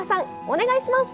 お願いします。